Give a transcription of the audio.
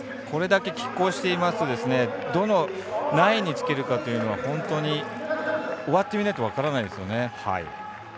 これだけきっ抗していますと何位につけるかというのは本当に終わってみないと分からないです。